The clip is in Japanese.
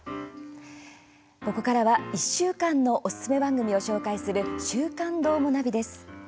ここからは１週間のおすすめ番組を紹介する「週刊どーもナビ」です。